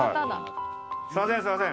すいません。